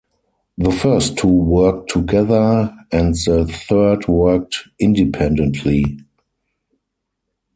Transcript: The first two worked together, and the third worked independently.